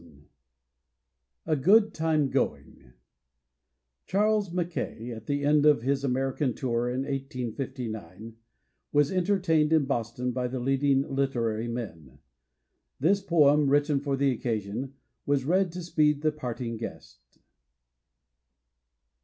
Henley A GOOD TIME GOING (Charles Mackay, at the end of his American tour in 1859, was entertained in Boston by the leading literary men. This poem, written for the occasion, was read to speed the parting guest.)